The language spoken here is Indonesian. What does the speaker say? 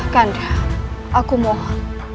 kanda aku mau berubah